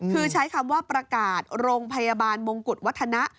คือใช้คำว่าประกาศโรงพยาบาลมงกุฎวัฒนะ